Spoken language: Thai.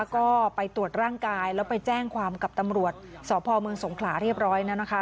ก็ไปตรวจร่างกายแล้วไปแจ้งความกับตำรวจสพเมืองสงขลาเรียบร้อยแล้วนะคะ